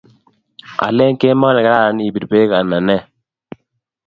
alen kemoi ne karan ipir peek anan nee